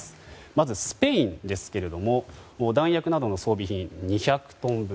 まずスペインですが弾薬などの装備品２００トン分。